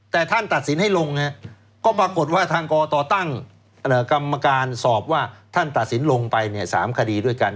แต่ท่านตัดสินให้ลงก็ปรากฏว่าทางกตตั้งกรรมการสอบว่าท่านตัดสินลงไป๓คดีด้วยกัน